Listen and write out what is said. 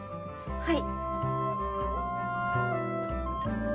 はい。